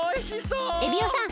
エビオさん